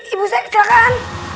ibu saya kecelakaan